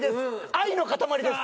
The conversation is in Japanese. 「愛の塊です」！